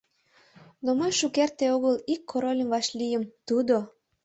— Но мый шукерте огыл ик корольым вашлийым, тудо…